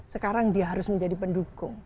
sekarang dia harus menjadi pendukung